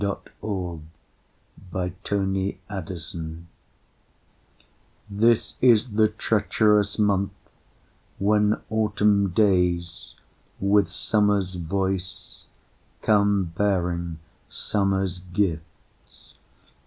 Helen Hunt Jackson November THIS is the treacherous month when autumn days With summer's voice come bearing summer's gifts.